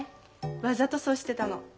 わざとそうしてたの。